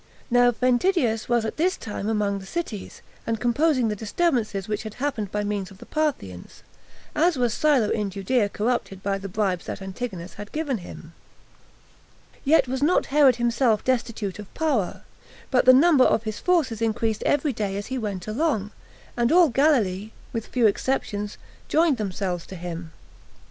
Now Ventidius was at this time among the cities, and composing the disturbances which had happened by means of the Parthians, as was Silo in Judea corrupted by the bribes that Antigonus had given him; yet was not Herod himself destitute of power, but the number of his forces increased every day as he went along, and all Galilee, with few exceptions, joined themselves to him.